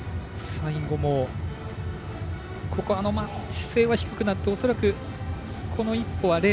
最後も、ここは姿勢は低くなって恐らく、この１歩は０．３